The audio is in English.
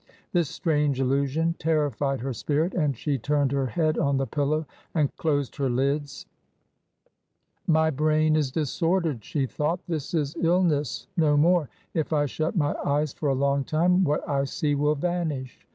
This strange illusion terrified her spirit, and she turned her head on the pillow and closed her lids. 304 TRANSITION. " My brain is disordered," she thought ;" this is ill ness — no more. If I shut my eyes for a long time, what I see will vanish."